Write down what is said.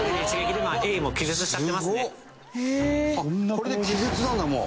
「これで気絶なんだもう」